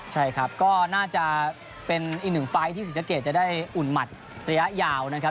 ใช่ครับก็น่าจะเป็นอีกหนึ่งไฟล์ที่ศรีสะเกดจะได้อุ่นหมัดระยะยาวนะครับ